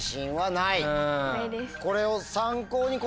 ないです。